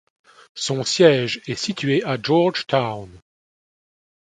Son siège est situé à Georgetown.